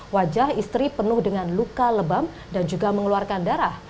wajah istri penuh dengan luka lebam dan juga mengeluarkan darah